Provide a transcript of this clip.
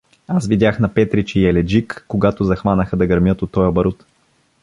Аз видях на Петрич и Еледжик, когато захванаха да гърмят от тоя барут.